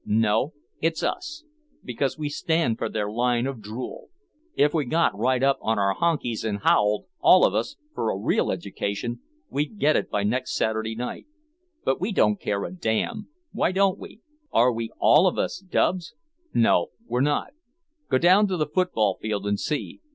No, it's us, because we stand for their line of drule. If we got right up on our honkeys and howled, all of us, for a real education, we'd get it by next Saturday night. But we don't care a damn. Why don't we? Are we all of us dubs? No we're not. Go down to the football field and see.